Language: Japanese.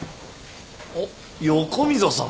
あっ横溝さん。